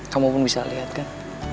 kamu pun bisa lihat kan